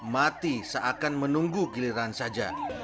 mati seakan menunggu giliran saja